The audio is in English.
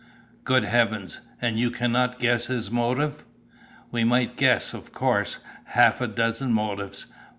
"Good heavens! And you cannot guess his motive?" "We might guess, of course, half a dozen motives.